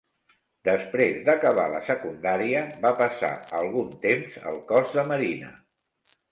Després d'acabar la secundària, va passar algun temps al Cos de Marina.